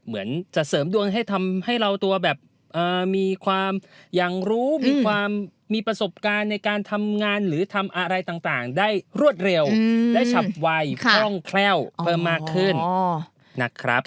ก็จะเสริมดวงให้เราตัวแบบมีความอย่างรู้มีความมีประสบการณ์ในการทำงานหรือทำอะไรต่างได้รวดเร็วได้ชับวัยพร่องแคล้วเพิ่มมากขึ้น